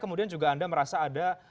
kemudian juga anda merasa ada